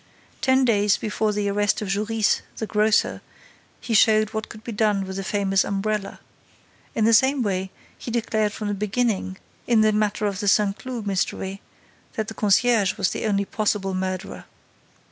Ten days before the arrest of Jorisse, the grocer, he showed what could be done with the famous umbrella. In the same way, he declared from the beginning, in the matter of the Saint Cloud mystery, that the concierge was the only possible murderer.